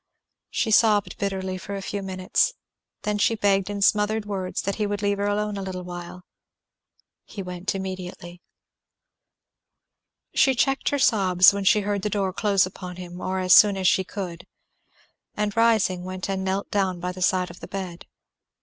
She sobbed bitterly for a few minutes. Then she begged in smothered words that he would leave her alone a little while. He went immediately. She checked her sobs when she heard the door close upon him, or as soon as she could, and rising went and knelt down by the side of the bed.